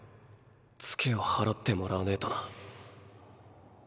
ツケを払ってもらわねぇとな。